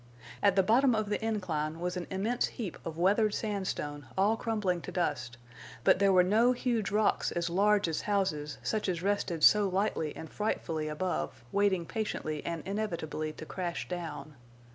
At the bottom of the incline was an immense heap of weathered sandstone all crumbling to dust, but there were no huge rocks as large as houses, such as rested so lightly and frightfully above, waiting patiently and inevitably to crash down.